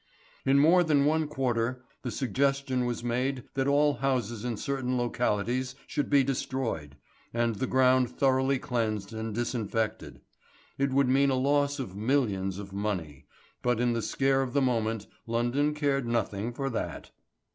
In more than one quarter the suggestion was made that all houses in certain localities should be destroyed, and the ground thoroughly cleansed and disinfected. It would mean a loss of millions of money, but in the scare of the moment London cared nothing for that.